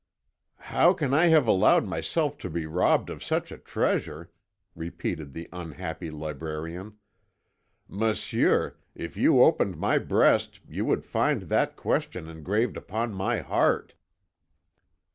"How can I have allowed myself to be robbed of such a treasure?" repeated the unhappy librarian. "Monsieur, if you opened my breast, you would find that question engraved upon my heart."